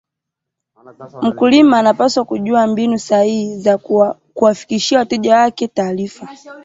mkulima anapaswa kujua mbinu sahihi za kuwafikishia wateja wake taarifa